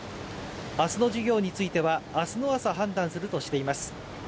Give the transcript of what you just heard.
明日の授業については明日の朝、判断するとしています。